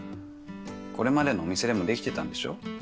これまでのお店でもできてたんでしょ？